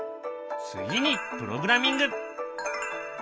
次にプログラミング。